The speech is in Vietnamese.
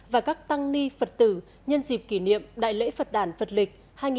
và các tăng ni phật tử nhân dịp kỷ niệm đại lễ phật đàn phật lịch hai nghìn năm trăm sáu mươi tám hai nghìn hai mươi bốn